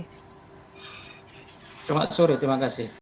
selamat sore terima kasih